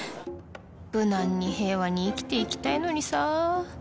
無難に平和に生きて行きたいのにさぁ。